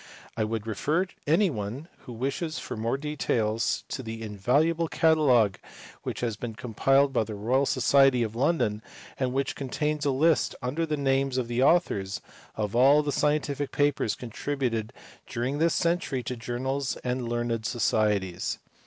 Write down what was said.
I would refer any one who wishes for more details to the invaluable catalogue which has been compiled by the Royal Society of London, and which contains a list, under the names of the authors, of all the scientific papers contributed during this century to journals and learned societies.